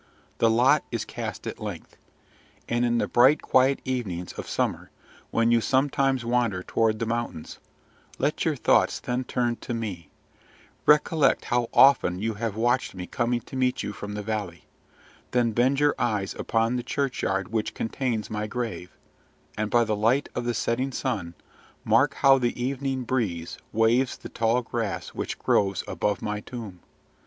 The lot is cast at length. And in the bright, quiet evenings of summer, when you sometimes wander toward the mountains, let your thoughts then turn to me: recollect how often you have watched me coming to meet you from the valley; then bend your eyes upon the churchyard which contains my grave, and, by the light of the setting sun, mark how the evening breeze waves the tall grass which grows above my tomb.